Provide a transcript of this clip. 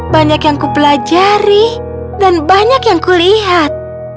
banyak yang kupelajari dan banyak yang kulihat